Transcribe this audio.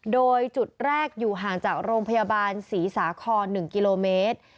โดยจุดแรกอยู่ห่างจากโรงพยาบาลศรีสาคร๑กิโลเมตร